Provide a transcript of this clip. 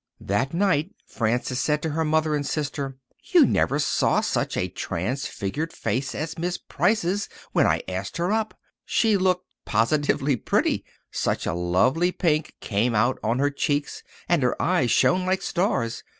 That night Frances said to her mother and sister, "You never saw such a transfigured face as Miss Price's when I asked her up. She looked positively pretty—such a lovely pink came out on her cheeks and her eyes shone like stars.